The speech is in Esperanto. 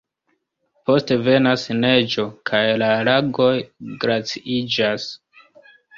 Poste venas neĝo kaj la lagoj glaciiĝas.